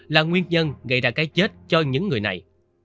là nguyên nhân gây ra cái chết cho những người này